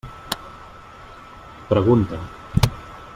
Pregunta.